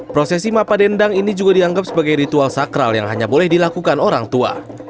prosesi mapa dendang ini juga dianggap sebagai ritual sakral yang hanya boleh dilakukan orang tua